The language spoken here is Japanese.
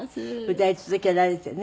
歌い続けられてね。